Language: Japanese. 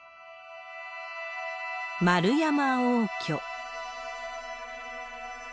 円山応挙。